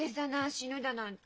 死ぬだなんて。